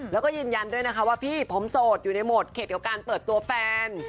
แล้วก็ยืนยันด้วยนะคะว่าพี่ผมโสดอยู่ในโหมดเขตกับการเปิดตัวแฟน